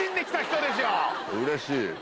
うれしい。